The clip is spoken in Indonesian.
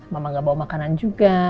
mama gak bawa makanan juga